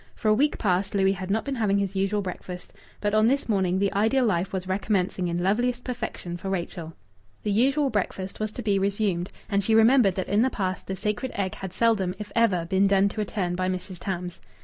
For a week past Louis had not been having his usual breakfast, but on this morning the ideal life was recommencing in loveliest perfection for Rachel. The usual breakfast was to be resumed; and she remembered that in the past the sacred egg had seldom, if ever, been done to a turn by Mrs. Tams. Mrs.